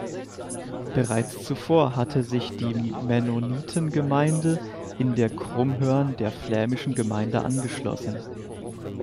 Bereits zuvor hatte sich die Mennonitengemeinde in der Krummhörn der flämischen Gemeinde angeschlossen.